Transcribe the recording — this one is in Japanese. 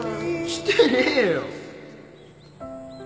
してねえよ